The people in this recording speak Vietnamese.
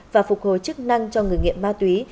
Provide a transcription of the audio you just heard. và phục hồi chức năng cho người nghiện ma túy